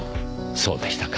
そうでしたか。